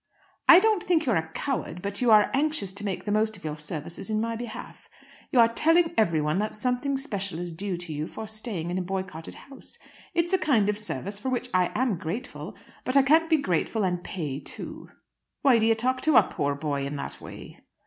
"I don't think you are a coward, but you are anxious to make the most of your services on my behalf. You are telling everyone that something special is due to you for staying in a boycotted house. It's a kind of service for which I am grateful, but I can't be grateful and pay too." "Why do you talk to a poor boy in that way?"